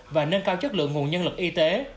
và nâng cao chất lượng nguồn nhân lực y tế